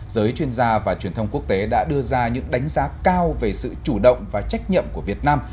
giới chuyên gia và truyền thông quốc tế đã đưa ra những đánh giá cao về sự chủ động và trách nhiệm của việt nam